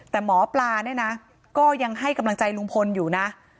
แต่หมอปลาเนี่ยนะก็ยังให้กำลังใจลุงพลอยู่นะ